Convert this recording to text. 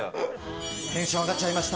テンション上がっちゃいました。